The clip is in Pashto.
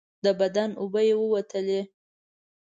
د بدن اوبه یې ووتلې.